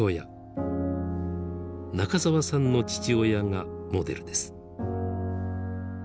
中沢さんの父親がモデルです。